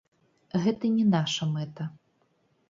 Гэта не наша мэта.